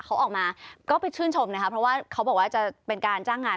เขาออกมาก็ไปชื่นชมนะคะเพราะว่าเขาบอกว่าจะเป็นการจ้างงาน